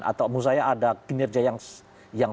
atau menurut saya ada kinerja yang